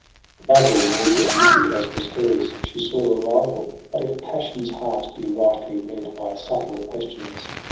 ao Above all mortal beauty, as was hers. She saw a rival j but if passion's heart Be rightly read by subtle questioners.